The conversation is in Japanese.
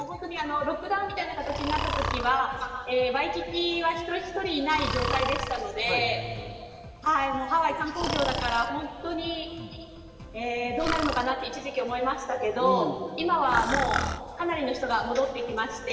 ロックダウンみたいな形になったときはワイキキは人一人いない状態だったので、ハワイ、観光業だからどうなるのかなと一時は思いましたけど、今はもう、かなりの人が戻ってきました。